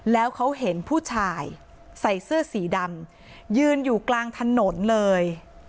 แล้วเขาเห็นผู้ชายใส่เสื้อสีดำยืนอยู่กลางถนนเลย